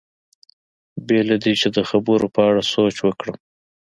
بې له دې چې د خبرو په اړه سوچ وکړم.